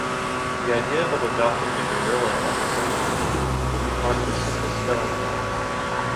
The idea of adopting the gorilla as a symbol of the group, would be part of a simple spelling error.